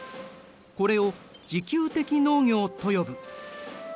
これを自給的農業と呼ぶ。